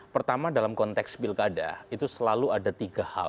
pertama dalam konteks pilkada itu selalu ada tiga hal